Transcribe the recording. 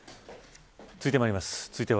続いてまいります。